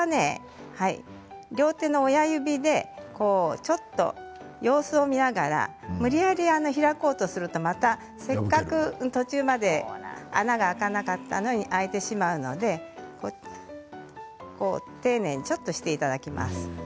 両手の親指でちょっと様子を見ながら無理やり開こうとするとまたせっかく途中まで穴が開かなかったのに開いてしまうので丁寧にちょっとしていただきます。